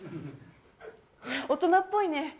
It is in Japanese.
大人っぽいね。